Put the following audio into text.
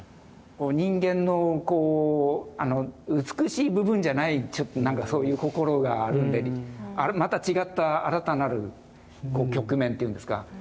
人間のこう美しい部分じゃないちょっとなんかそういう心があるのでまた違った新たなる局面というんですか。